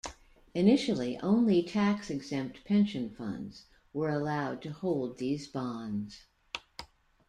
Initially only tax-exempt pension funds were allowed to hold these bonds.